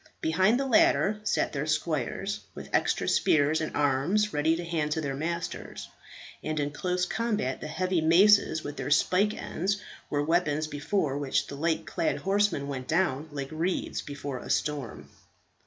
Behind the latter sat their squires, with extra spears and arms ready to hand to their masters; and in close combat, the heavy maces with their spike ends were weapons before which the light clad horsemen went down like reeds before a storm.